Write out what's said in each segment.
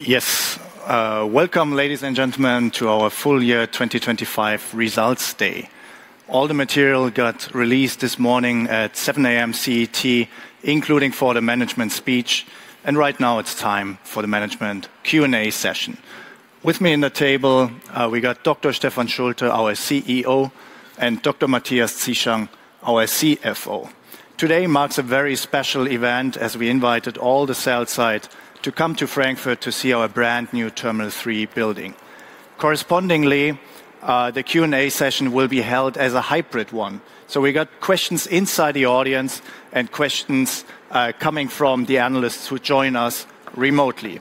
Yes. Welcome ladies and gentlemen to our full year 2025 results day. All the material got released this morning at 7 A.M. CET, including for the management speech. Right now it's time for the management Q&A session. With me at the table, we got Dr. Stefan Schulte, our CEO, and Dr. Matthias Zieschang, our CFO. Today marks a very special event as we invited all the sell-side to come to Frankfurt to see our brand new Terminal 3 building. Correspondingly, the Q&A session will be held as a hybrid one. We got questions inside the audience and questions coming from the analysts who join us remotely.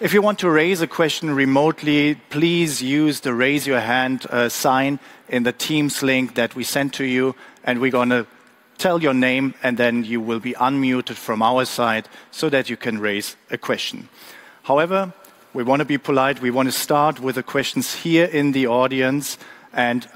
If you want to raise a question remotely, please use the raise your hand sign in the Teams link that we sent to you, and we're gonna tell your name, and then you will be unmuted from our side so that you can raise a question. However, we wanna be polite. We wanna start with the questions here in the audience, and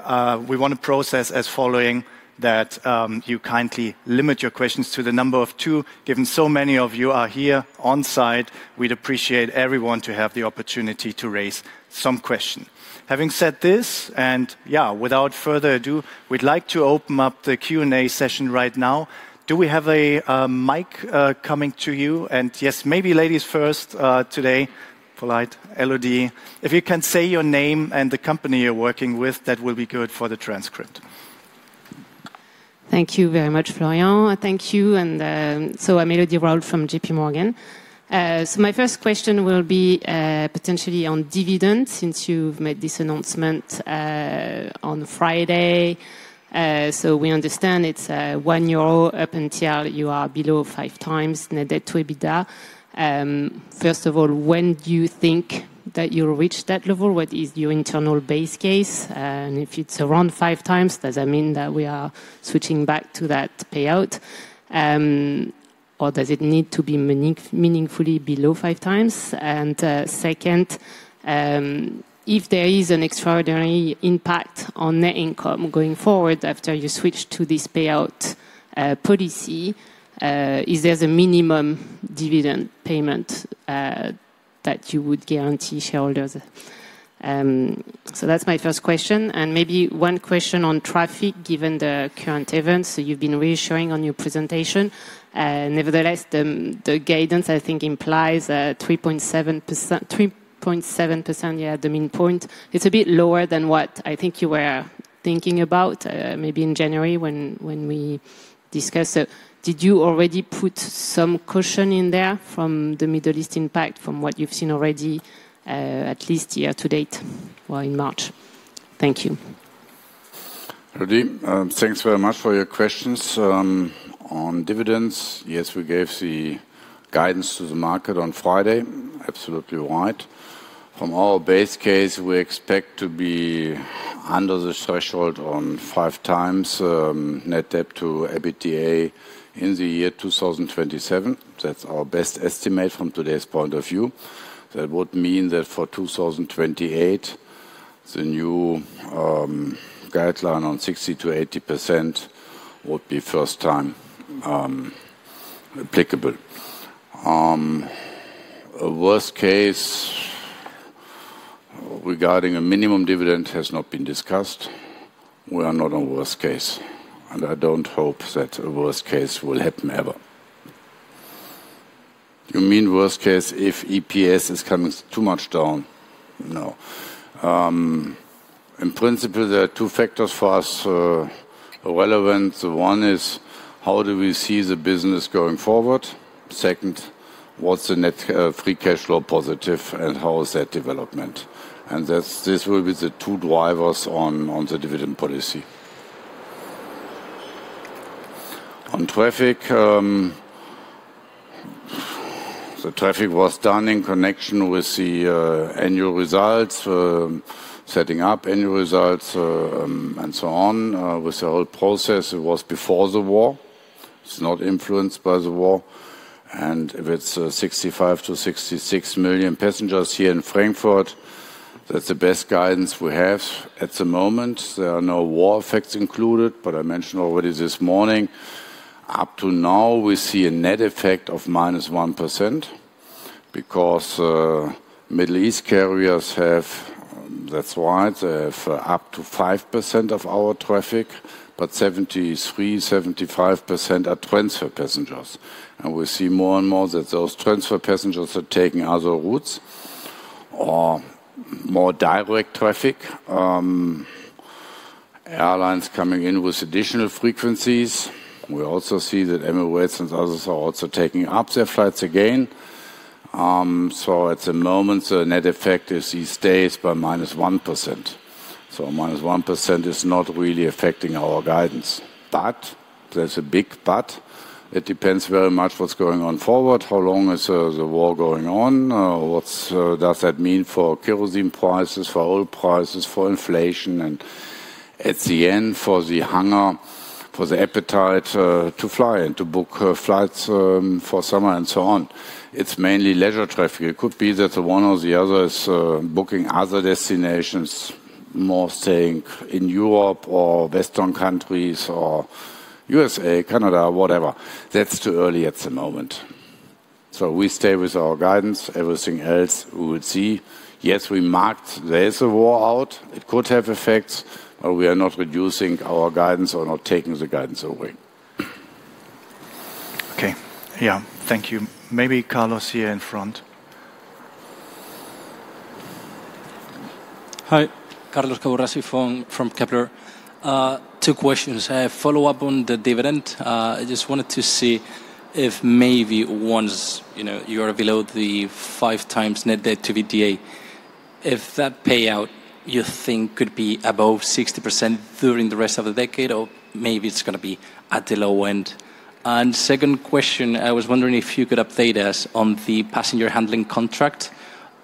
we wanna process as following that you kindly limit your questions to the number of two, given so many of you are here on site, we'd appreciate everyone to have the opportunity to raise some question. Having said this, and yeah, without further ado, we'd like to open up the Q&A session right now. Do we have a mic coming to you? Yes, maybe ladies first today, polite. Élodie, if you can say your name and the company you're working with, that will be good for the transcript. Thank you very much, Florian. Thank you. I'm Elodie Rall from JPMorgan. My first question will be potentially on dividends since you've made this announcement on Friday. We understand it's 1 euro up until you are below 5x net debt to EBITDA. First of all, when do you think that you'll reach that level? What is your internal base case? If it's around 5x, does that mean that we are switching back to that payout? Or does it need to be meaningfully below 5x? Second, if there is an extraordinary impact on net income going forward after you switch to this payout policy, is there the minimum dividend payment that you would guarantee shareholders? That's my first question. Maybe one question on traffic, given the current events that you've been reassuring on your presentation. Nevertheless, the guidance, I think, implies 3.7%, yeah, at the mean point. It's a bit lower than what I think you were thinking about, maybe in January when we discussed it. Did you already put some caution in there from the Middle East impact from what you've seen already, at least year to date or in March? Thank you. Élodie, thanks very much for your questions. On dividends, yes, we gave the guidance to the market on Friday. Absolutely right. From our base case, we expect to be under the threshold on 5x net debt to EBITDA in the year 2027. That's our best estimate from today's point of view. That would mean that for 2028, the new guideline on 60%-80% would be first time applicable. A worst case regarding a minimum dividend has not been discussed. We are not on worst case, and I don't hope that a worst case will happen ever. You mean worst case if EPS is coming too much down? No. In principle, there are two factors for us relevant. One is, how do we see the business going forward? Second, what's the net free cash flow positive and how is that development? This will be the two drivers on the dividend policy. On traffic, the traffic was done in connection with the annual results, setting up annual results, and so on, with the whole process. It was before the war. It's not influenced by the war. If it's 65-66 million passengers here in Frankfurt, that's the best guidance we have at the moment. There are no war effects included, but I mentioned already this morning, up to now, we see a net effect of -1% because Middle East carriers have up to 5% of our traffic, but 73%-75% are transfer passengers. We see more and more that those transfer passengers are taking other routes or more direct traffic. Airlines coming in with additional frequencies. We also see that Emirates and others are also taking up their flights again. At the moment, the net effect is it stays by -1%. -1% is not really affecting our guidance. There's a big but, it depends very much what's going on forward. How long is the war going on? What does that mean for kerosene prices, for oil prices, for inflation and at the end, for the hunger, for the appetite to fly and to book flights for summer and so on. It's mainly leisure traffic. It could be that the one or the other is booking other destinations more staying in Europe or Western countries or USA, Canada, whatever. That's too early at the moment. We stay with our guidance. Everything else, we will see. Yes, we marked there's a war out. It could have effects, but we are not reducing our guidance or not taking the guidance away. Okay. Yeah. Thank you. Maybe Carlos here in front. Hi. Carlos Caburrasi from Kepler Cheuvreux. Two questions. Follow up on the dividend. I just wanted to see if maybe once, you know, you are below the 5x net debt to EBITDA, if that payout you think could be above 60% during the rest of the decade or maybe it's gonna be at the low end? Second question, I was wondering if you could update us on the passenger handling contract,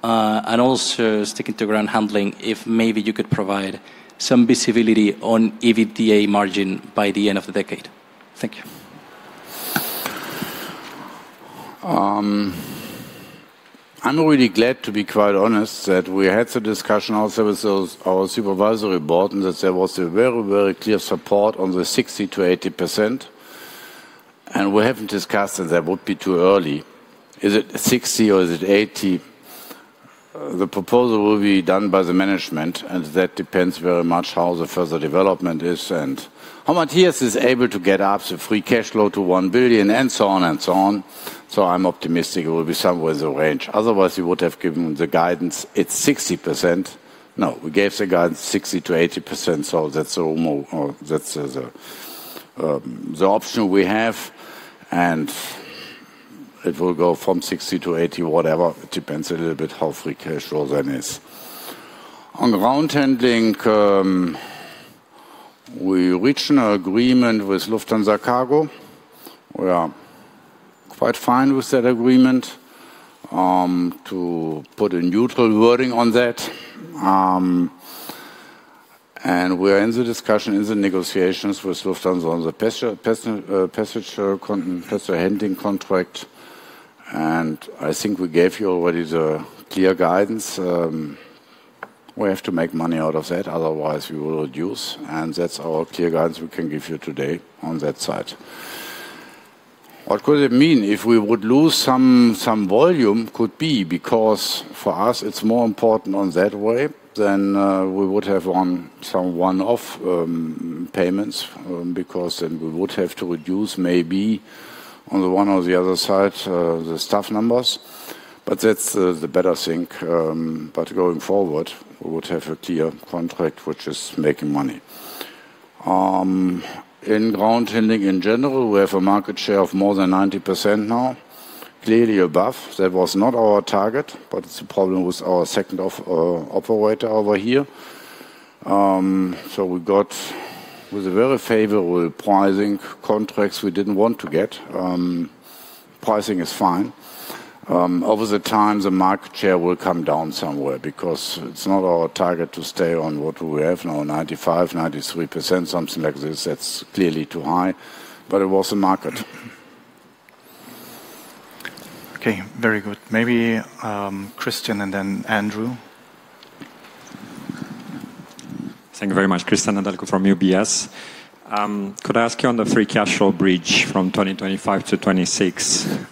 and also sticking to ground handling, if maybe you could provide some visibility on EBITDA margin by the end of the decade. Thank you. I'm really glad, to be quite honest, that we had the discussion also with those, our supervisory board, and that there was a very, very clear support on the 60%-80%. We haven't discussed that it would be too early. Is it 60% or is it 80%? The proposal will be done by the management, and that depends very much how the further development is and how much he is able to get up the free cash flow to 1 billion and so on. I'm optimistic it will be somewhere in the range. Otherwise, we would have given the guidance it's 60%. No, we gave the guidance 60%-80%, that's the option we have. It will go from 60% to 80% whatever. It depends a little bit how free cash flow then is. On the ground handling, we reached an agreement with Lufthansa Cargo. We are quite fine with that agreement, to put a neutral wording on that. We are in the discussion, in the negotiations with Lufthansa on the passenger handling contract. I think we gave you already the clear guidance. We have to make money out of that, otherwise we will reduce. That's our clear guidance we can give you today on that side. What could it mean if we would lose some volume? Could be, because for us it's more important in that way than we would have on some one-off payments, because then we would have to reduce maybe on the one or the other side, the staff numbers. That's the better thing. Going forward, we would have a clear contract which is making money. In ground handling in general, we have a market share of more than 90% now, clearly above. That was not our target, but it's a problem with our second operator over here. So we got with a very favorable pricing contracts we didn't want to get. Pricing is fine. Over the time, the market share will come down somewhere because it's not our target to stay on what we have now, 95%, 93%, something like this. That's clearly too high, but it was the market. Okay. Very good. Maybe, Christian and then Andrew. Thank you very much. Cristian Nedelcu from UBS. Could I ask you on the free cash flow bridge from 2025-2026?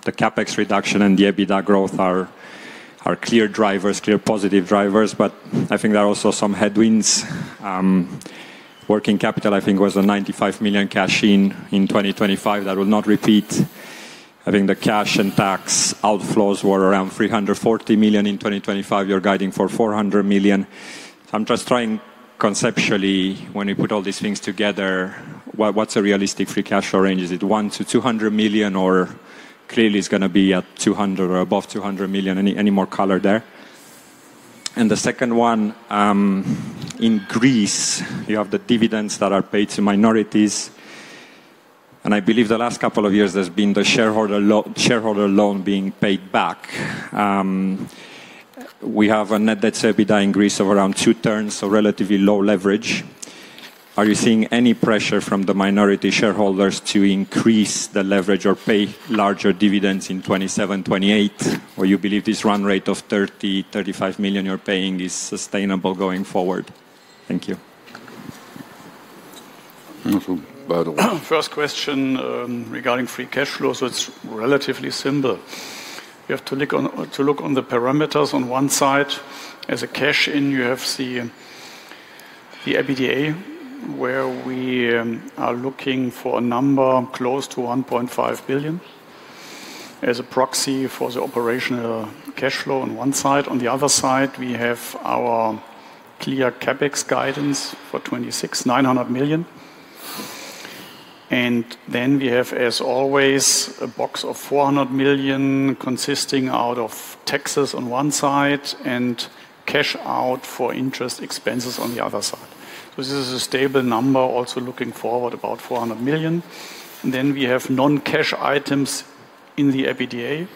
The CapEx reduction and the EBITDA growth are clear drivers, clear positive drivers, but I think there are also some headwinds. Working capital I think was a 95 million cash in in 2025. That will not repeat. I think the cash and tax outflows were around 340 million in 2025. You're guiding for 400 million. I'm just trying conceptually, when you put all these things together, what's a realistic free cash flow range? Is it 100 million-200 million, or clearly it's gonna be at 200 million or above 200 million? Any more color there? The second one, in Greece, you have the dividends that are paid to minorities. I believe the last couple of years there's been the shareholder loan being paid back. We have a net debt to EBITDA in Greece of around two turns, so relatively low leverage. Are you seeing any pressure from the minority shareholders to increase the leverage or pay larger dividends in 2027, 2028? Or you believe this run rate of 30-35 million you're paying is sustainable going forward? Thank you. By the way, first question, regarding free cash flows, it's relatively simple. You have to look on the parameters on one side. As a cash in, you have the EBITDA, where we are looking for a number close to 1.5 billion as a proxy for the operational cash flow on one side. On the other side, we have our clear CapEx guidance for 2026, 900 million. Then we have, as always, a box of 400 million consisting of taxes on one side and cash out for interest expenses on the other side. This is a stable number also looking forward, about 400 million. We have non-cash items in the EBITDA,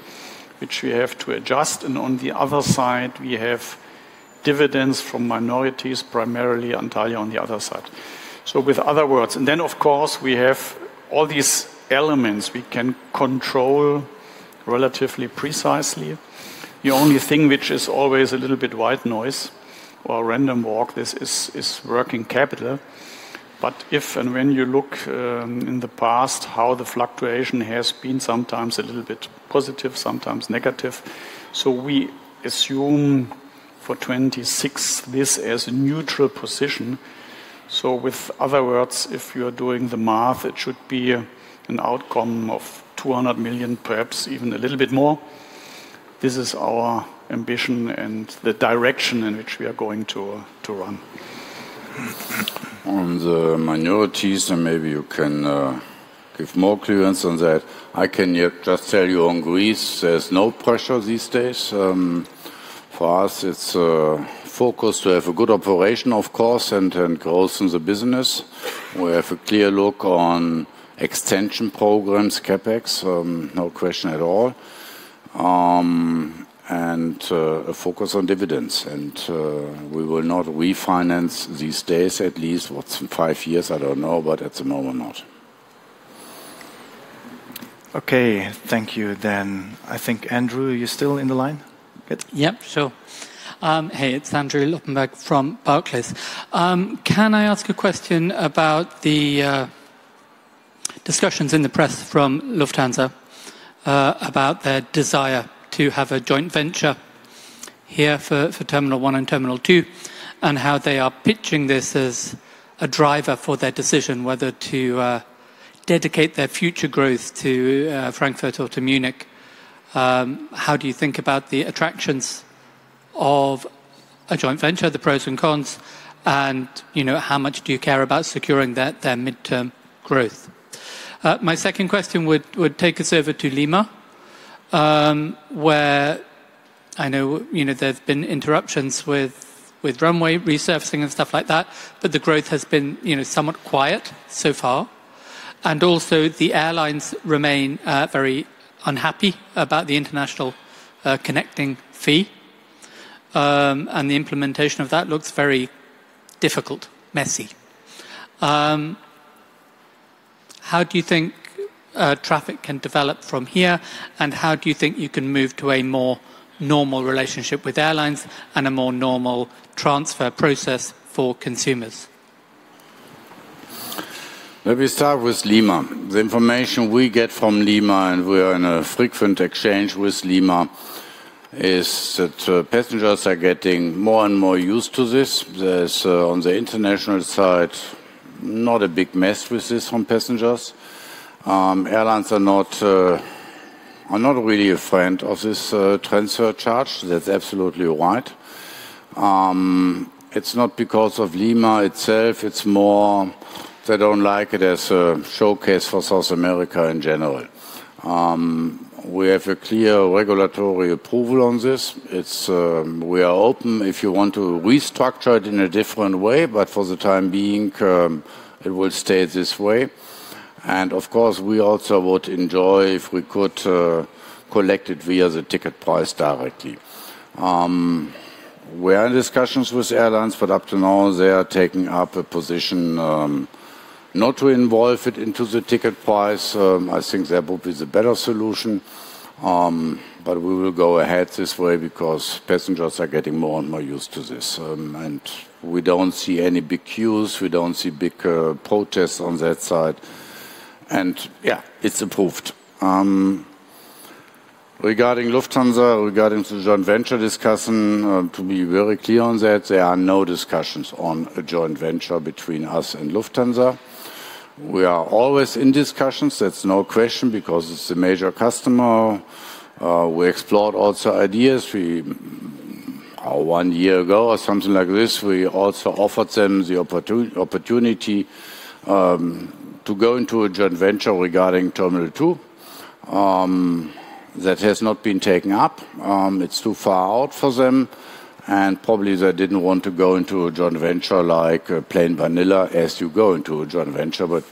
which we have to adjust. On the other side, we have dividends from minorities, primarily Antalya on the other side. In other words. Of course, we have all these elements we can control. Relatively precisely. The only thing which is always a little bit white noise or random walk, this is working capital. If and when you look in the past how the fluctuation has been sometimes a little bit positive, sometimes negative, we assume for 2026 this as a neutral position. In other words, if you are doing the math, it should be an outcome of 200 million, perhaps even a little bit more. This is our ambition and the direction in which we are going to run. On the minorities, maybe you can give more clarity on that. I can just tell you on Greece, there's no pressure these days. For us, it's focused to have a good operation, of course, and growth in the business. We have a clear look on extension programs, CapEx, no question at all, and a focus on dividends. We will not refinance these days, at least five years, I don't know, but at the moment not. Okay. Thank you then. I think, Andrew, are you still in the line? Good. Yep, sure. Hey, it's Andrew Lobbenberg from Barclays. Can I ask a question about the discussions in the press from Lufthansa about their desire to have a joint venture here for Terminal 1 and Terminal 2, and how they are pitching this as a driver for their decision whether to dedicate their future growth to Frankfurt or to Munich. How do you think about the attractions of a joint venture, the pros and cons, and, you know, how much do you care about securing their midterm growth. My second question would take us over to Lima, where I know, you know, there's been interruptions with runway resurfacing and stuff like that, but the growth has been, you know, somewhat quiet so far. Also the airlines remain very unhappy about the international connecting fee, and the implementation of that looks very difficult, messy. How do you think traffic can develop from here? How do you think you can move to a more normal relationship with airlines and a more normal transfer process for consumers? Let me start with Lima. The information we get from Lima, and we are in a frequent exchange with Lima, is that passengers are getting more and more used to this. There's on the international side, not a big mess with this from passengers. Airlines are not really a friend of this transfer charge. That's absolutely right. It's not because of Lima itself, it's more they don't like it as a showcase for South America in general. We have a clear regulatory approval on this. We are open if you want to restructure it in a different way, but for the time being, it will stay this way. Of course, we also would enjoy if we could collect it via the ticket price directly. We are in discussions with airlines, but up to now, they are taking up a position, not to involve it into the ticket price. I think that would be the better solution. But we will go ahead this way because passengers are getting more and more used to this. We don't see any big queues. We don't see big protests on that side. Yeah, it's approved. Regarding Lufthansa, regarding the joint venture discussion, to be very clear on that, there are no discussions on a joint venture between us and Lufthansa. We are always in discussions, that's no question, because it's a major customer. We explored also ideas. One year ago or something like this, we also offered them the opportunity to go into a joint venture regarding Terminal 2, that has not been taken up. It's too far out for them, and probably they didn't want to go into a joint venture like plain vanilla as you go into a joint venture. But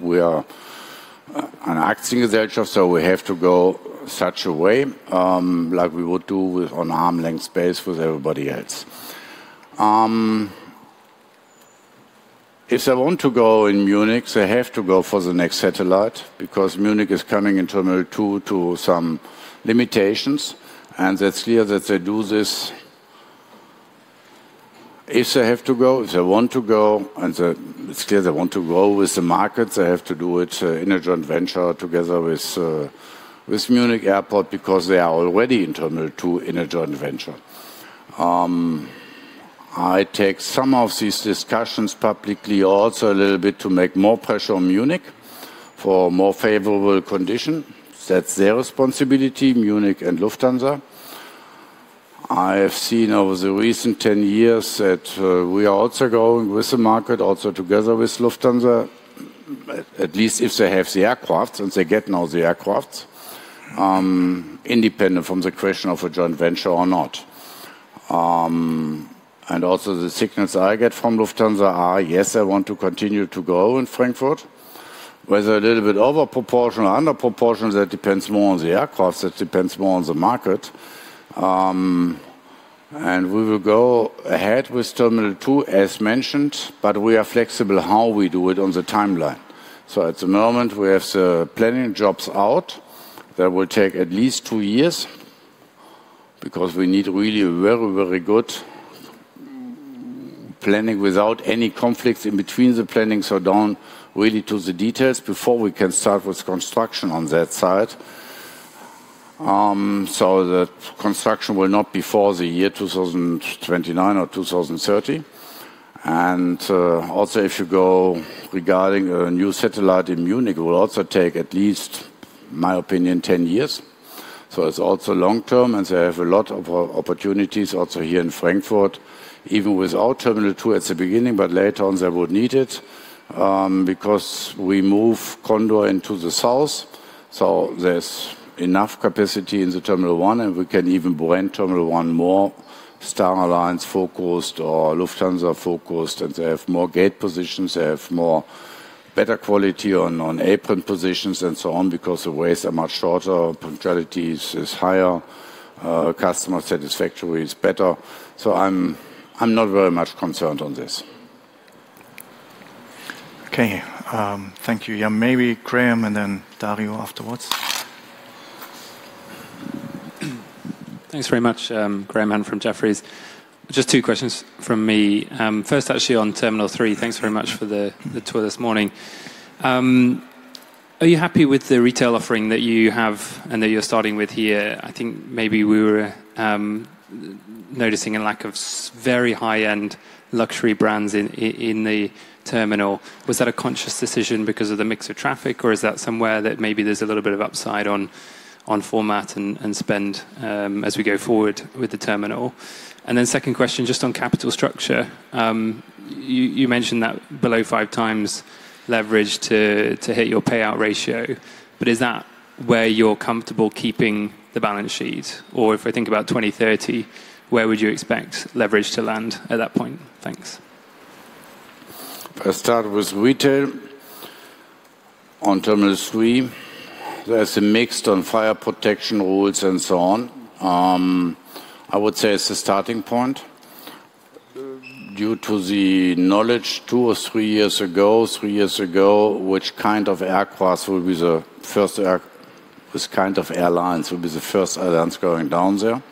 we are in a joint venture, so we have to go such a way, like we would do with an arm's length basis with everybody else. If they want to go in Munich, they have to go for the next satellite because Munich is coming in Terminal 2 to some limitations. That's clear that they do this if they have to go, if they want to go, and it's clear they want to go with the market. They have to do it in a joint venture together with Munich Airport because they are already in Terminal 2 in a joint venture. I take some of these discussions publicly also a little bit to make more pressure on Munich for more favorable condition. That's their responsibility, Munich and Lufthansa. I have seen over the recent 10 years that we are also growing with the market, also together with Lufthansa, at least if they have the aircraft and they get now the aircraft, independent from the question of a joint venture or not. Also the signals I get from Lufthansa are, yes, they want to continue to grow in Frankfurt. Whether a little bit over proportion or under proportion, that depends more on the aircraft, that depends more on the market. We will go ahead with terminal two as mentioned, but we are flexible how we do it on the timeline. At the moment we have the planning jobs out that will take at least two years because we need really very, very good planning without any conflicts in between the planning, so down really to the details before we can start with construction on that side. The construction will not before the year 2029 or 2030. Also if you go regarding a new satellite in Munich, it will also take at least, in my opinion, 10 years. It's also long-term, and they have a lot of opportunities also here in Frankfurt, even without Terminal 2 at the beginning, but later on they would need it, because we move Condor into the south, so there's enough capacity in the Terminal 1, and we can even blend Terminal 1 more Star Alliance-focused or Lufthansa-focused, and they have more gate positions, they have more better quality on apron positions and so on because the walks are much shorter, punctuality is higher, customer satisfaction is better. I'm not very much concerned on this. Okay. Thank you. Yeah, maybe Graham and then Dario afterwards. Thanks very much. Graham Hunt from Jefferies. Just two questions from me. First actually on Terminal 3. Thanks very much for the tour this morning. Are you happy with the retail offering that you have and that you're starting with here? I think maybe we were noticing a lack of very high-end luxury brands in the terminal. Was that a conscious decision because of the mix of traffic, or is that somewhere that maybe there's a little bit of upside on format and spend as we go forward with the terminal? Second question, just on capital structure. You mentioned that below 5x leverage to hit your payout ratio, but is that where you're comfortable keeping the balance sheet? If I think about 2030, where would you expect leverage to land at that point? Thanks. I start with retail on Terminal 3. There's a mix of fire protection rules and so on. I would say it's a starting point due to the knowledge two or three years ago, three years ago, which kind of airlines will be the first airlines going down there.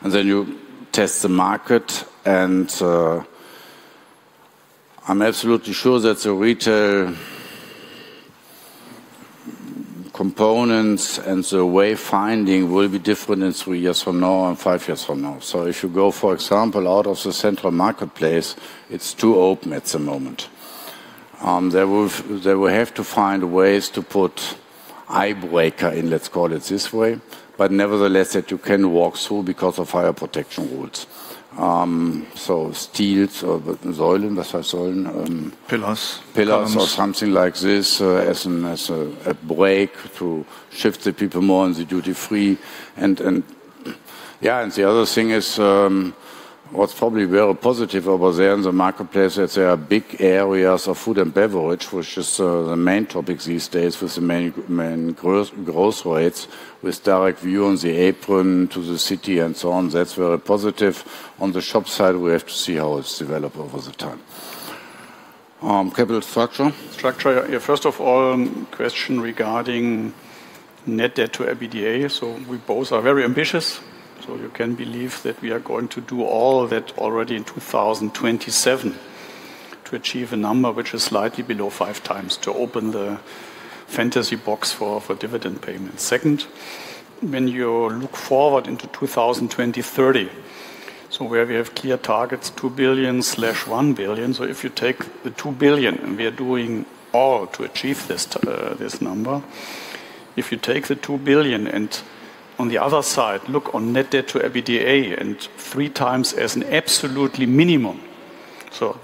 Then you test the market, and I'm absolutely sure that the retail components and the wayfinding will be different in three years from now and five years from now. If you go, for example, out of the central marketplace, it's too open at the moment. They will have to find ways to put eye breaker in, let's call it this way, but nevertheless, that you can walk through because of fire protection rules. Steels or Pillars. Columns. Pillars or something like this, as a break to shift the people more on the duty-free. The other thing is, what's probably very positive over there in the marketplace is there are big areas of food and beverage, which is the main topic these days with the main growth rates with direct view on the apron to the city and so on. That's very positive. On the shop side, we have to see how it's developed over time. Capital structure. Structure. Yeah. First of all, question regarding net debt to EBITDA. We both are very ambitious, so you can believe that we are going to do all of that already in 2027 to achieve a number which is slightly below 5x to open the fantasy box for dividend payments. Second, when you look forward into 2030, where we have clear targets, 2 billion / 1 billion. If you take the 2 billion, and we are doing all to achieve this number. If you take the 2 billion and on the other side, look on net debt to EBITDA 3x as an absolutely minimum,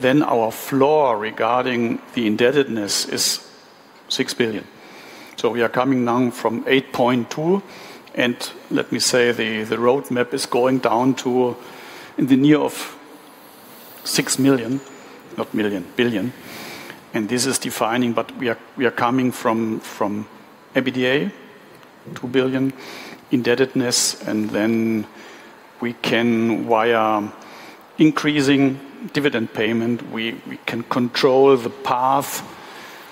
then our floor regarding the indebtedness is 6 billion. We are coming now from 8.2 billion, and let me say the roadmap is going down to in the near of 6 billion. This is defining, but we are coming from EBITDA, 2 billion indebtedness, and then we can via increasing dividend payment control the path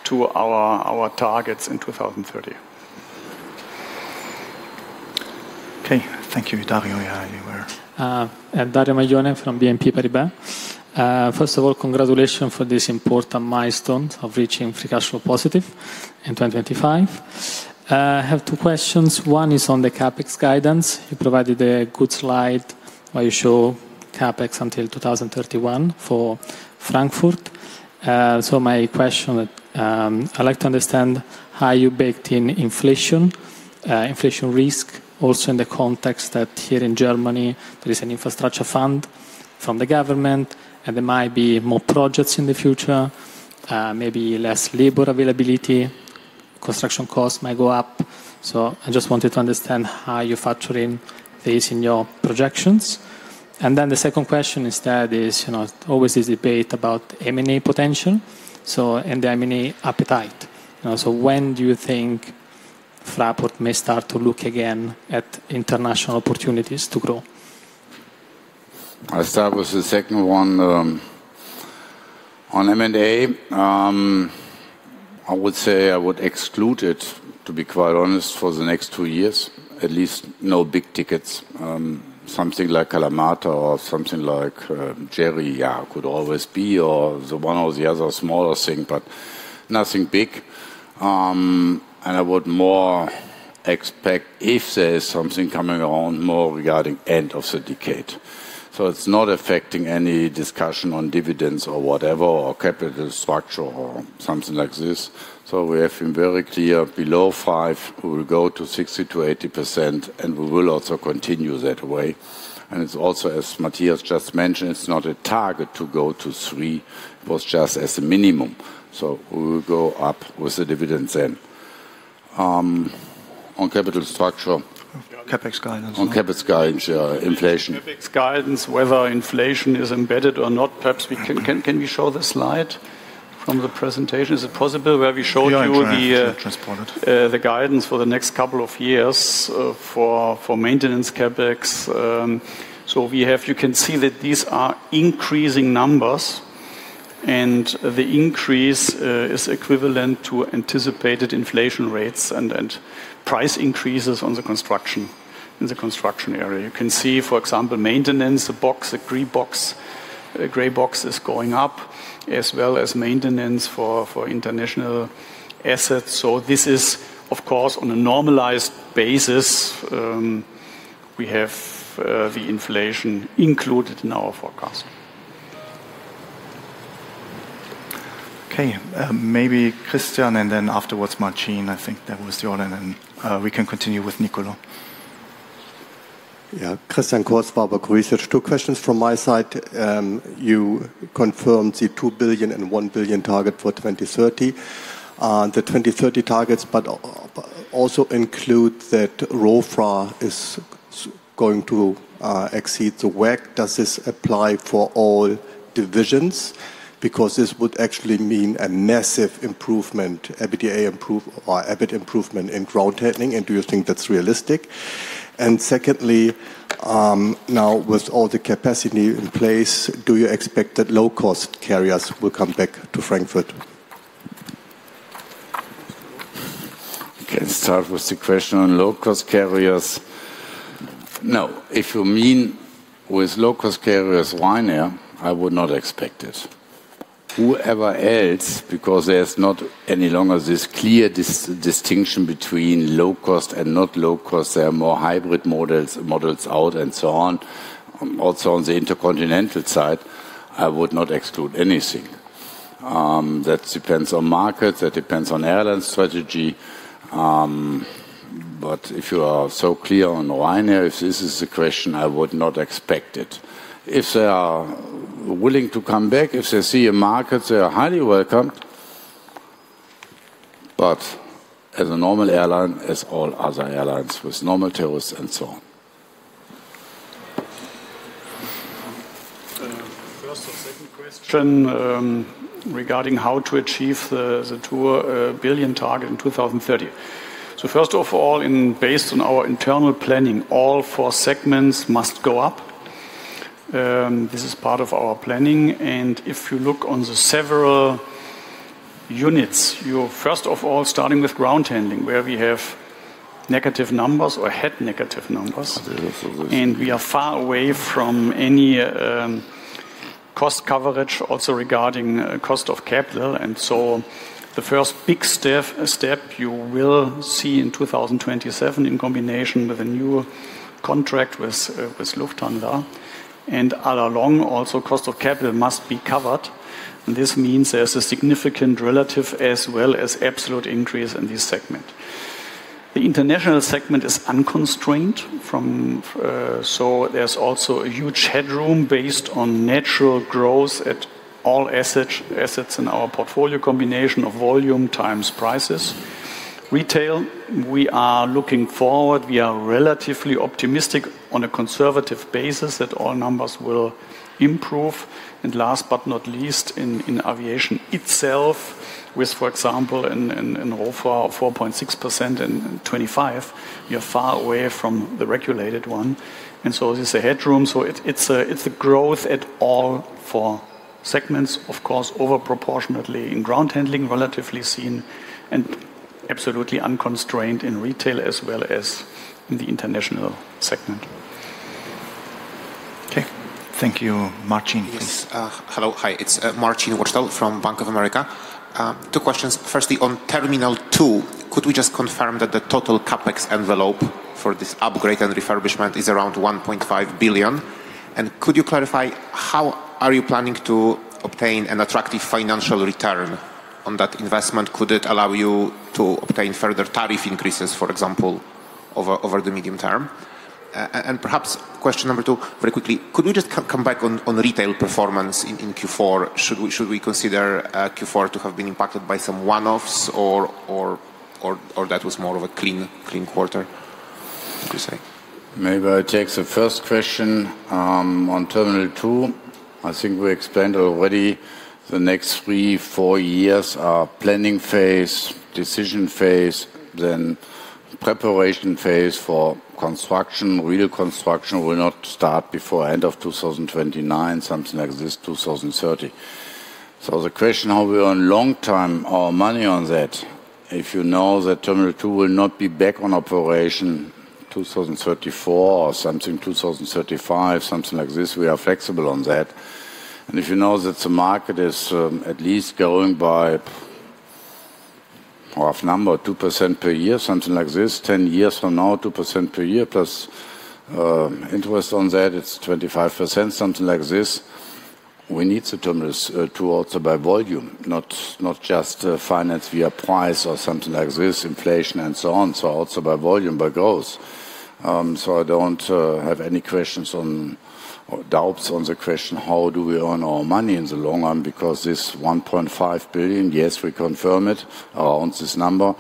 to our targets in 2030. Okay. Thank you. Dario, yeah, you were. Dario Maglione from BNP Paribas. First of all, congratulations for this important milestone of reaching free cash flow positive in 2025. I have two questions. One is on the CapEx guidance. You provided a good slide where you show CapEx until 2031 for Frankfurt. My question, I'd like to understand how you baked in inflation risk, also in the context that here in Germany there is an infrastructure fund from the government, and there might be more projects in the future, maybe less labor availability, construction costs might go up. I just wanted to understand how you factor in this in your projections. Then the second question is that is, you know, always this debate about M&A potential, so and the M&A appetite. You know, so when do you think Fraport may start to look again at international opportunities to grow? I'll start with the second one. On M&A, I would exclude it, to be quite honest, for the next two years, at least no big tickets. Something like Kalamata or something like Jeddah, yeah, could always be, or the one or the other smaller thing, but nothing big. I would more expect if there's something coming on more regarding end of the decade. It's not affecting any discussion on dividends or whatever, or capital structure or something like this. We have been very clear, below five, we will go to 60%-80%, and we will also continue that way. It's also, as Matthias just mentioned, it's not a target to go to three, it was just as a minimum. We will go up with the dividends then. On capital structure- CapEx guidance. On CapEx guidance, yeah, inflation. CapEx guidance, whether inflation is embedded or not, perhaps, can we show the slide from the presentation? Is it possible where we show you the Yeah, I transported. The guidance for the next couple of years for maintenance CapEx. We have, you can see that these are increasing numbers, and the increase is equivalent to anticipated inflation rates and price increases on the construction, in the construction area. You can see, for example, maintenance, the box, the green box, the gray box is going up, as well as maintenance for international assets. This is, of course, on a normalized basis, we have the inflation included in our forecast. Okay. Maybe Christian, and then afterwards Marcin, I think that was the order, and we can continue with Nicolo. Yeah. Christian Cohrs, Warburg Research. Two questions from my side. You confirmed the 2 billion and 1 billion target for 2030. The 2030 targets also include that ROFRA is going to exceed the WACC. Does this apply for all divisions? Because this would actually mean a massive improvement, EBITDA improve or EBIT improvement in ground handling, and do you think that's realistic? Secondly, now with all the capacity in place, do you expect that low-cost carriers will come back to Frankfurt? Okay. Start with the question on low-cost carriers. No. If you mean with low-cost carriers Ryanair, I would not expect it. Whoever else, because there's not any longer this clear distinction between low cost and not low cost, there are more hybrid models out and so on. Also, on the intercontinental side, I would not exclude anything. That depends on market, that depends on airline strategy. If you are so clear on Ryanair, if this is the question, I would not expect it. If they are willing to come back, if they see a market, they are highly welcome. As a normal airline, as all other airlines with normal tourists and so on. First or second question, regarding how to achieve the 2 billion target in 2030. First of all, it's based on our internal planning, all four segments must go up. This is part of our planning. If you look on the several units, you're first of all starting with ground handling, where we have negative numbers or had negative numbers. We are far away from any cost coverage also regarding cost of capital. The first big step you will see in 2027 in combination with a new contract with Lufthansa. All along also, cost of capital must be covered. This means there's a significant relative as well as absolute increase in this segment. The international segment is unconstrained, so there's also a huge headroom based on natural growth at all assets in our portfolio combination of volume times prices. Retail, we are looking forward. We are relatively optimistic on a conservative basis that all numbers will improve. Last but not least, in aviation itself, with for example in ROFRA, 4.6% in 2025, we are far away from the regulated one. This is a headroom. It's a growth at all four segments, of course, over proportionately in ground handling, relatively seen and absolutely unconstrained in retail as well as in the international segment. Okay. Thank you. Marcin, please. Yes. Hello. Hi. It's Marcin Wojtal from Bank of America. Two questions. Firstly, on terminal two, could we just confirm that the total CapEx envelope for this upgrade and refurbishment is around 1.5 billion? Could you clarify how you are planning to obtain an attractive financial return on that investment? Could it allow you to obtain further tariff increases, for example, over the medium term? Perhaps question number two, very quickly, could we just come back on retail performance in Q4? Should we consider Q4 to have been impacted by some one-offs or that was more of a clean quarter? Maybe I'll take the first question on Terminal 2. I think we explained already the next three, four years are planning phase, decision phase, then preparation phase for construction. Real construction will not start before end of 2029, something like this, 2030. The question how we earn long term our money on that, if you know that Terminal 2 will not be back on operation 2034 or something, 2035, something like this, we are flexible on that. If you know that the market is at least going by rough number, 2% per year, something like this, 10 years from now, 2% per year plus interest on that, it's 25%, something like this. We need the terminals to also by volume, not just finance via price or something like this, inflation and so on. Also by volume, by growth. I don't have any questions on or doubts on the question, how do we earn our money in the long run? Because this 1.5 billion, yes, we confirm it on this number.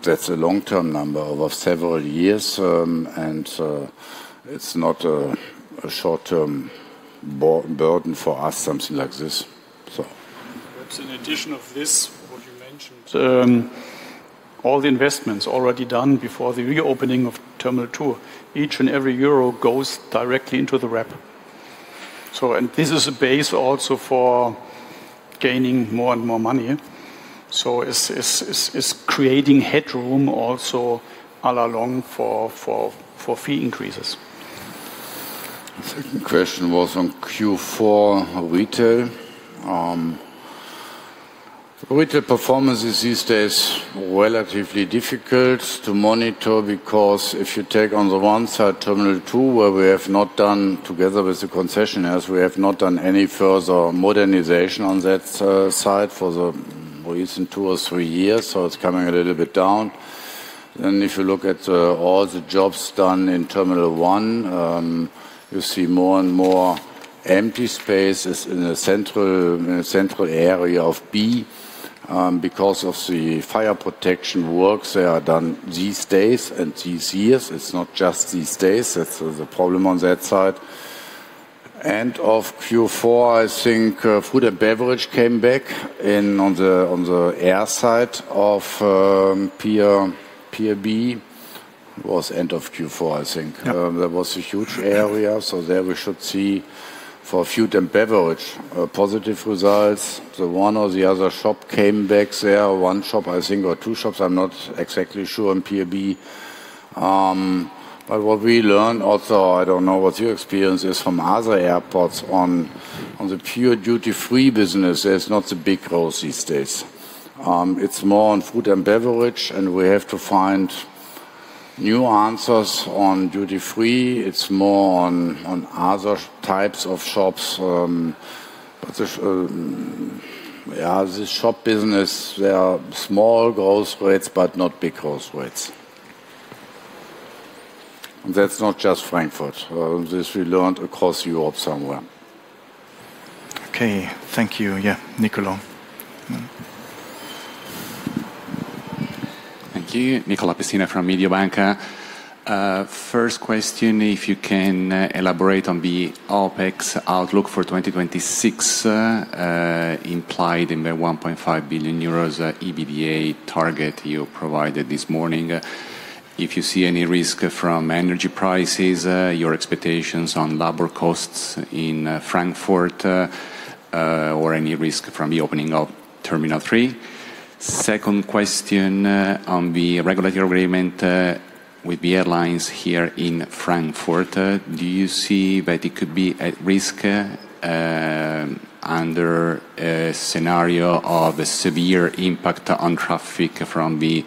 That's a long-term number over several years, and it's not a short-term burden for us, something like this. Perhaps in addition to this, what you mentioned, all the investments already done before the reopening of terminal two, each and every euro goes directly into the RAB. This is a base also for gaining more and more money. It's creating headroom also all along for fee increases. The second question was on Q4 retail. Retail performance is these days relatively difficult to monitor because if you take on the one side, Terminal 2, where we have not done together with the concessionaires, we have not done any further modernization on that side for the recent two or three years, so it's coming a little bit down. If you look at all the jobs done in Terminal 1, you see more and more empty spaces in the central area of B because of the fire protection works that are done these days and these years. It's not just these days. That's the problem on that side. End of Q4, I think, food and beverage came back in on the air side of pier B. It was end of Q4, I think. Yeah. There was a huge area, so there we should see for food and beverage positive results. The one or the other shop came back there. One shop, I think, or two shops, I'm not exactly sure on pier B. But what we learned also, I don't know what your experience is from other airports on the pure duty-free business, there's not a big growth these days. It's more on food and beverage, and we have to find new answers on duty-free. It's more on other types of shops, but yeah, the shop business, they are small growth rates, but not big growth rates. That's not just Frankfurt. This we learned across Europe somewhere. Okay. Thank you. Yeah. Nicolo. Thank you. Nicolo Pessina from Mediobanca. First question, if you can elaborate on the OpEx outlook for 2026, implied in the 1.5 billion euros EBITDA target you provided this morning. If you see any risk from energy prices, your expectations on labor costs in Frankfurt, or any risk from the opening of Terminal 3. Second question, on the regulatory agreement with the airlines here in Frankfurt, do you see that it could be at risk under a scenario of a severe impact on traffic from the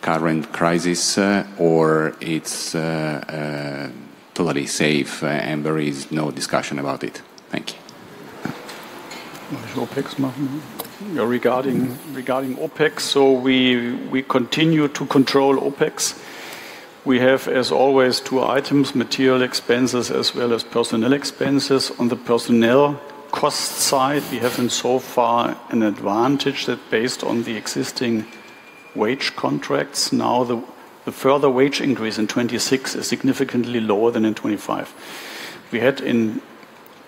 current crisis, or it's totally safe and there is no discussion about it? Thank you. Yeah, regarding OpEx, we continue to control OpEx. We have, as always, two items, material expenses as well as personnel expenses. On the personnel cost side, we have been so far an advantage that based on the existing wage contracts, now the further wage increase in 2026 is significantly lower than in 2025. We had in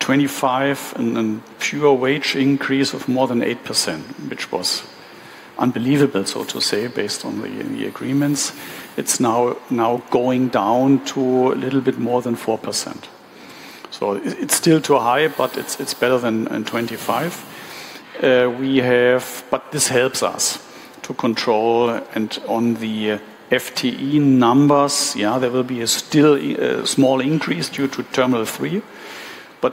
2025 a pure wage increase of more than 8%, which was unbelievable, so to say, based on the agreements. It's now going down to a little bit more than 4%. It's still too high, but it's better than in 2025. This helps us to control and on the FTE numbers, there will still be a small increase due to Terminal 3.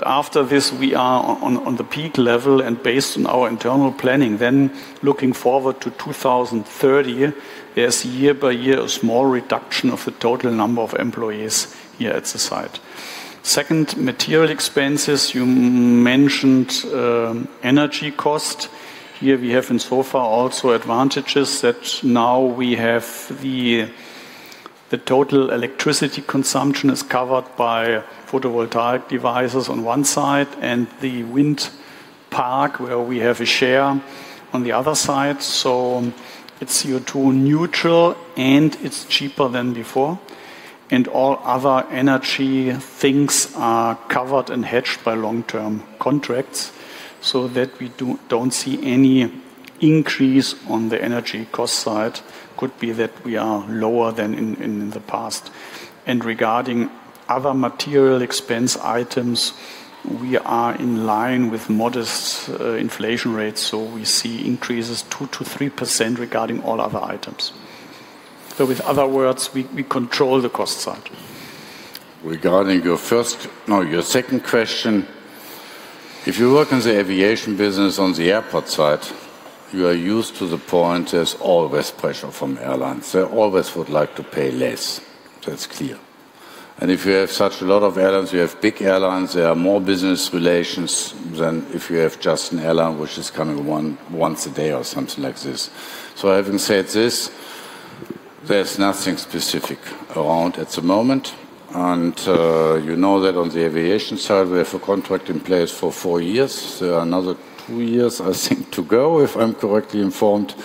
After this, we are on the peak level and based on our internal planning, then looking forward to 2030, there's year by year a small reduction of the total number of employees here at the site. Second, material expenses. You mentioned energy cost. Here we have in so far also advantages that now we have the total electricity consumption is covered by photovoltaic devices on one side and the wind park where we have a share on the other side. So it's CO₂ neutral, and it's cheaper than before. All other energy things are covered and hedged by long-term contracts so that we don't see any increase on the energy cost side. Could be that we are lower than in the past. Regarding other material expense items, we are in line with modest inflation rates, so we see increases 2%-3% regarding all other items. In other words, we control the cost side. Your second question, if you work in the aviation business on the airport side, you are used to the point there's always pressure from airlines. They always would like to pay less. That's clear. If you have such a lot of airlines, you have big airlines, there are more business relations than if you have just an airline which is coming once a day or something like this. Having said this, there's nothing specific around at the moment. You know that on the aviation side, we have a contract in place for four years. There are another two years, I think, to go, if I'm correctly informed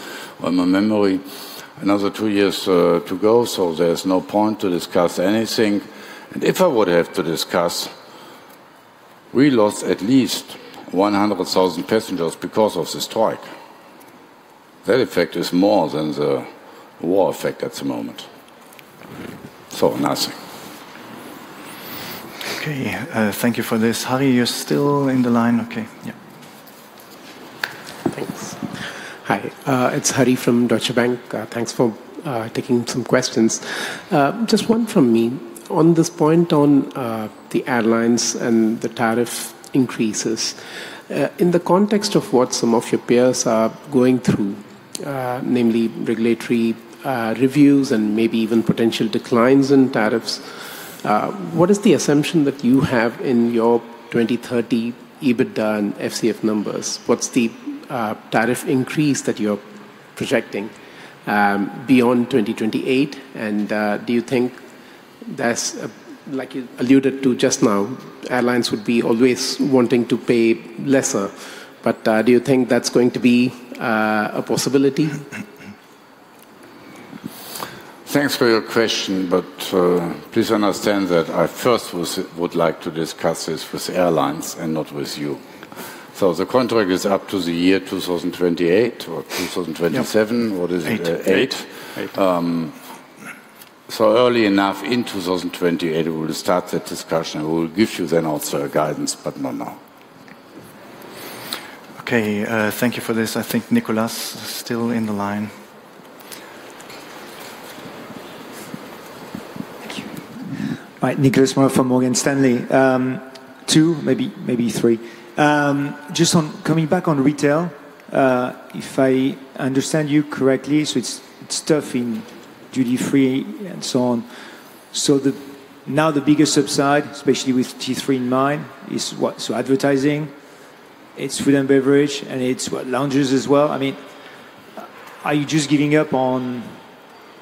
on my memory. Another two years, to go, so there's no point to discuss anything. If I would have to discuss, we lost at least 100,000 passengers because of the strike. That effect is more than the war effect at the moment. Nothing. Okay. Thank you for this. Harry, you're still in the line? Okay. Yeah. Thanks. Hi. It's Harry from Deutsche Bank. Thanks for taking some questions. Just one from me. On this point on the airlines and the tariff increases, in the context of what some of your peers are going through, namely regulatory reviews and maybe even potential declines in tariffs, what is the assumption that you have in your 2030 EBITDA and FCF numbers? What's the tariff increase that you're projecting beyond 2028? Do you think there's, like you alluded to just now, airlines would be always wanting to pay lesser, but do you think that's going to be a possibility? Thanks for your question, but please understand that I would like to discuss this with airlines and not with you. The contract is up to the year 2028 or 2027. What is it? Eight. Eight. Early enough in 2028, we will start that discussion. We will give you then also a guidance, but not now. Okay. Thank you for this. I think Nicolas is still in the line. Thank you. Right. Nicolas Mora from Morgan Stanley. Two, maybe three. Just on coming back on retail, if I understand you correctly, it's tough in duty-free and so on. Now the biggest upside, especially with T3 in mind, is what? Advertising, it's food and beverage, and it's what? Lounges as well. I mean, are you just giving up on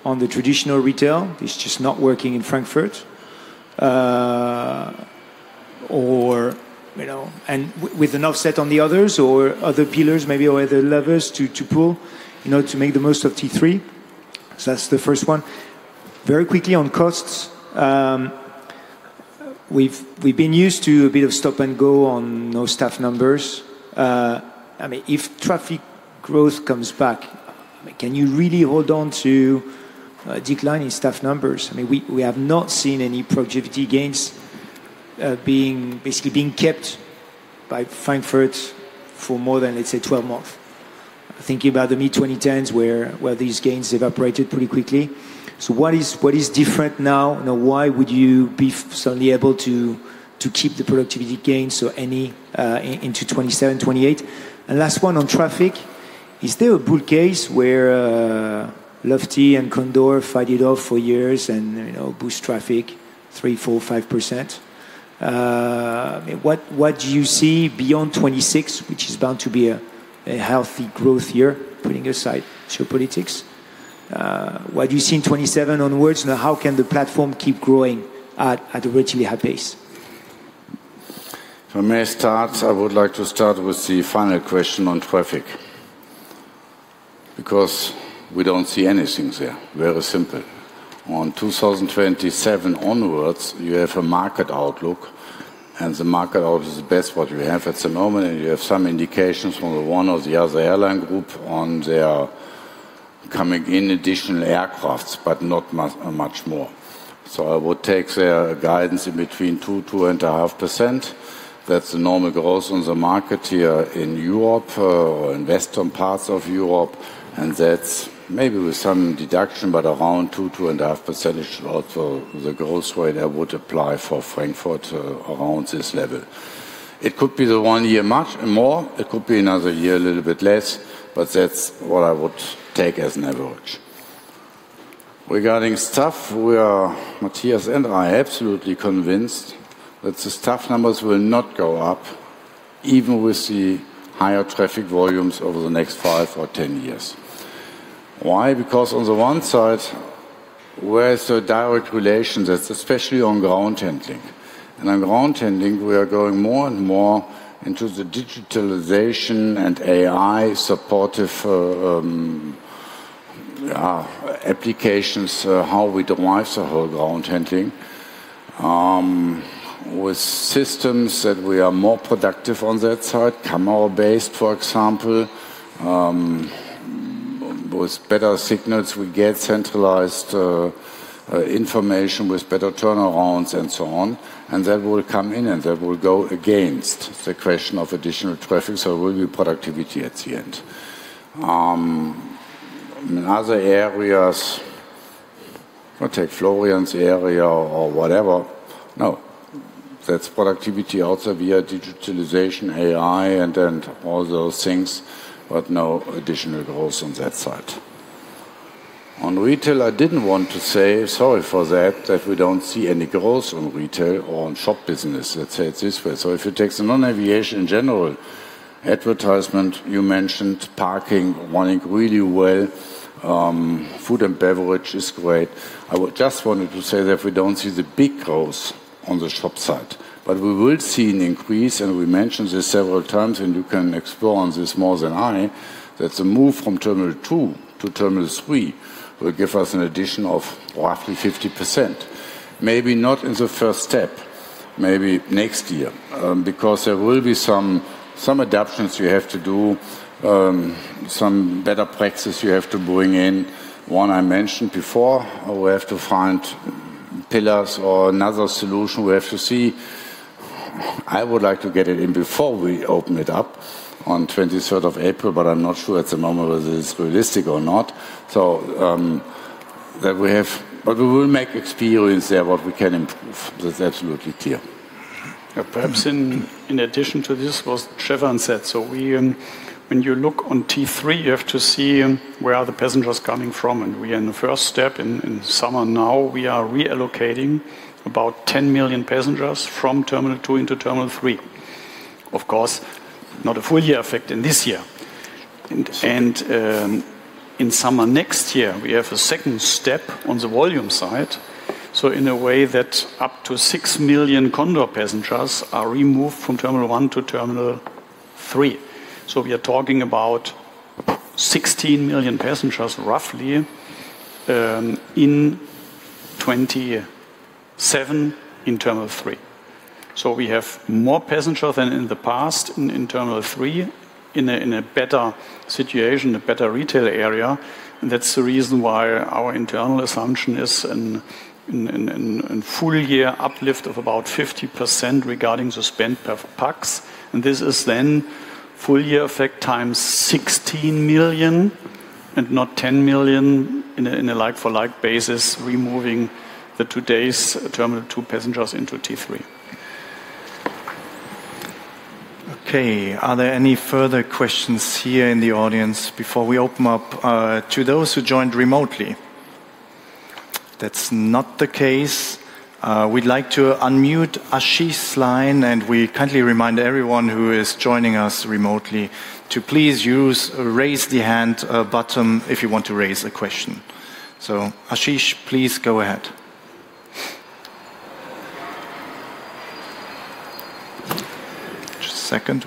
the traditional retail? It's just not working in Frankfurt, or you know and with an offset on the others or other pillars, maybe, or other levers to pull, you know, to make the most of T3? That's the first one. Very quickly on costs, we've been used to a bit of stop-and-go on those staff numbers. I mean, if traffic growth comes back, can you really hold on to a decline in staff numbers? I mean, we have not seen any productivity gains basically being kept by Frankfurt for more than, let's say, 12 months. Thinking about the mid-2010s where these gains evaporated pretty quickly. What is different now? Now why would you be suddenly able to keep the productivity gains or any into 2027, 2028? Last one on traffic, is there a bull case where Lufthansa and Condor fight it off for years and, you know, boost traffic 3%, 4%, 5%? What do you see beyond 2026, which is bound to be a healthy growth year, putting aside geopolitics? What do you see in 2027 onwards and how can the platform keep growing at a relatively high pace? If I may start, I would like to start with the final question on traffic because we don't see anything there. Very simple. On 2027 onwards, you have a market outlook, and the market outlook is the best what we have at the moment, and you have some indications from one or the other airline group on their coming in additional aircrafts, but not much more. I would take their guidance in between 2.5%. That's the normal growth on the market here in Europe or in western parts of Europe, and that's maybe with some deduction, but around 2.5%. Also, the growth rate I would apply for Frankfurt around this level. It could be one year much more, it could be another year a little bit less, but that's what I would take as an average. Regarding staff, we are, Matthias and I, absolutely convinced that the staff numbers will not go up even with the higher traffic volumes over the next five or 10 years. Why? Because on the one side, where is the direct relation, especially on ground handling. On ground handling, we are going more and more into the digitization and AI supportive applications, how we drive the whole ground handling. With systems that we are more productive on that side, camera-based for example, with better signals, we get centralized information with better turnarounds and so on. That will come in, and that will go against the question of additional traffic, so it will be productivity at the end. In other areas, take Florian's area or whatever. No. That's productivity also via digitalization, AI and then all those things, but no additional goals on that side. On retail, I didn't want to say, sorry for that we don't see any goals on retail or on shop business. Let's say it this way. If it talks about non-aviation in general, advertising, you mentioned parking running really well. Food and beverage is great. I just wanted to say that we don't see the big goals on the shop side, but we will see an increase, and we mentioned this several times, and you can explore on this more than I, that the move from Terminal 2 to Terminal 3 will give us an addition of roughly 50%. Maybe not in the first step, maybe next year, because there will be some adaptations you have to do, some better practices you have to bring in. One I mentioned before, we have to find pillars or another solution we have to see. I would like to get it in before we open it up on 23rd of April, but I'm not sure at the moment whether it's realistic or not. We will make experience there what we can improve. That's absolutely clear. Perhaps in addition to this, what Stefan Schulte said. When you look on T3, you have to see where the passengers are coming from. We, in the first step in summer now, are reallocating about 10 million passengers from Terminal 2 into Terminal 3. Of course, not a full year effect in this year. In summer next year, we have a second step on the volume side. In a way that up to 6 million Condor passengers are removed from Terminal 1-Terminal 3. We are talking about 16 million passengers roughly in 2027 in Terminal 3. We have more passenger than in the past in Terminal 3 in a better situation, a better retail area. That's the reason why our internal assumption is in full year uplift of about 50% regarding the spend per pax. This is then full year effect times 16 million and not 10 million in a like for like basis, removing today's Terminal 2 passengers into T3. Okay. Are there any further questions here in the audience before we open up to those who joined remotely? That's not the case. We'd like to unmute Ashish's line, and we kindly remind everyone who is joining us remotely to please use Raise the Hand button if you want to raise a question. Ashish, please go ahead. Just a second. We are still waiting. Hello, everyone. Yes, we can hear you. Yeah. Can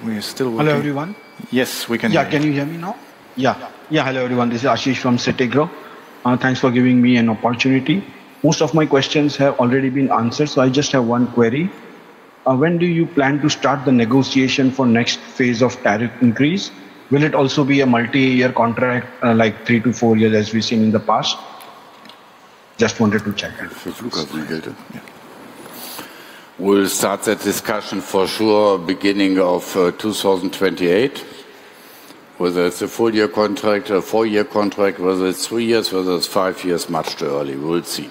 you hear me now? Yeah. Yeah. Hello, everyone. This is Ashish from Citi. Thanks for giving me an opportunity. Most of my questions have already been answered, so I just have one query. When do you plan to start the negotiation for next phase of tariff increase? Will it also be a multi-year contract, like three to four years as we've seen in the past? Just wanted to check. This is super aggregated, yeah. We'll start that discussion for sure beginning of 2028, whether it's a full year contract or 4-year contract, whether it's 3 years, whether it's five years, much too early. We'll see.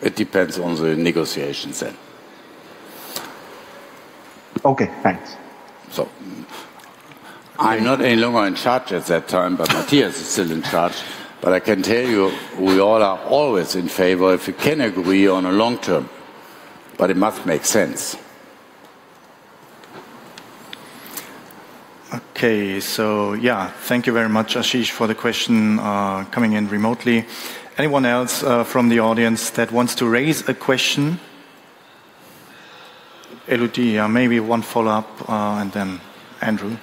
It depends on the negotiations then. Okay, thanks. I'm not any longer in charge at that time, but Matthias is still in charge. I can tell you we all are always in favor if we can agree on a long term, but it must make sense. Okay. Yeah. Thank you very much, Ashish, for the question, coming in remotely. Anyone else, from the audience that wants to raise a question? Élodie, maybe one follow-up, and then Andrew.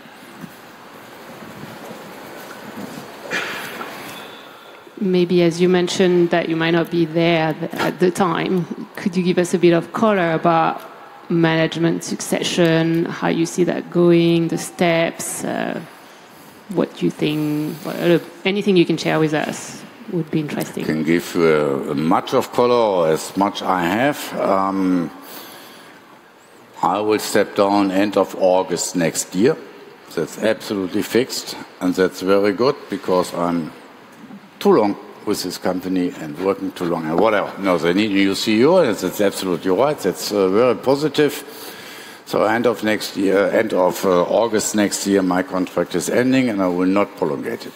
Maybe, as you mentioned that you might not be there at the time, could you give us a bit of color about management succession, how you see that going, the steps, what you think? Anything you can share with us would be interesting. can give as much color as I have. I will step down end of August next year. That's absolutely fixed, and that's very good because I've been with this company too long and working too long and whatever. Now, they need new CEO, and that's absolutely right. That's very positive. End of next year, end of August next year, my contract is ending, and I will not prolong it.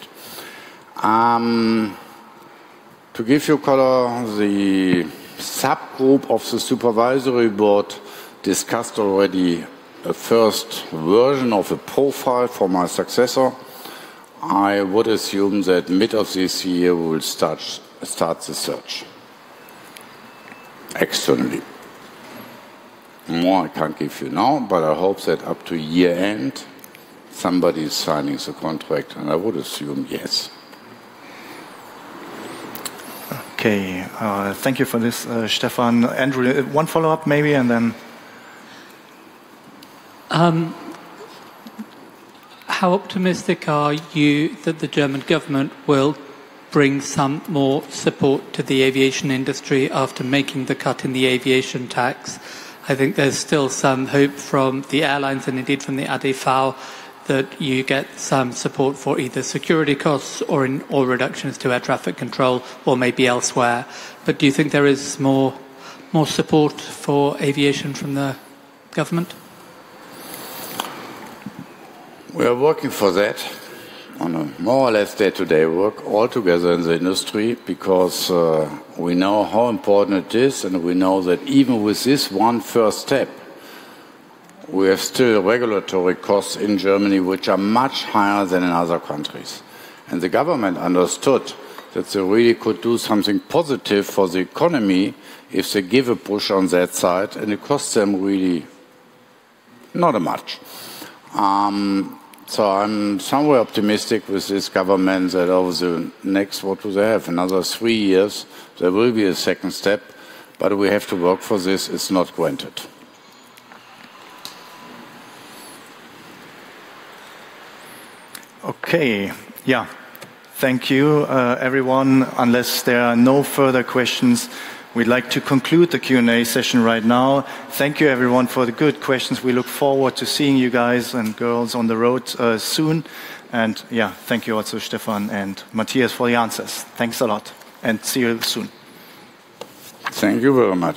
To give you color, the subgroup of the supervisory board discussed already a first version of a profile for my successor. I would assume that mid of this year we will start the search externally. More I can't give you now, but I hope that up to year-end, somebody is signing the contract, and I would assume yes. Okay. Thank you for this, Stefan. Andrew, one follow-up maybe, and then. How optimistic are you that the German government will bring some more support to the aviation industry after making the cut in the aviation tax? I think there's still some hope from the airlines and indeed from the ADV that you get some support for either security costs or reductions to air traffic control or maybe elsewhere. Do you think there is more support for aviation from the government? We are working for that on a more or less day-to-day work all together in the industry because we know how important it is, and we know that even with this one first step, we have still regulatory costs in Germany which are much higher than in other countries. The government understood that they really could do something positive for the economy if they give a push on that side, and it costs them really not much. I'm somewhere optimistic with this government that over the next, what do they have? Another three years, there will be a second step, but we have to work for this. It's not granted. Okay. Yeah. Thank you, everyone. Unless there are no further questions, we'd like to conclude the Q&A session right now. Thank you, everyone, for the good questions. We look forward to seeing you guys and girls on the road, soon. Yeah, thank you also, Stefan and Matthias, for the answers. Thanks a lot, and see you soon. Thank you very much.